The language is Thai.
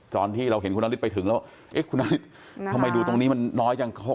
ตอนที่เราเห็นคุณนฤทธิไปถึงแล้วเอ๊ะคุณทำไมดูตรงนี้มันน้อยจัง